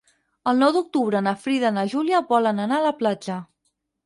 El nou d'octubre na Frida i na Júlia volen anar a la platja.